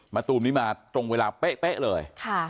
ตูมนี้มาตรงเวลาเป๊ะเลย